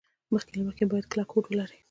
مخکې له مخکې باید کلک هوډ ولري.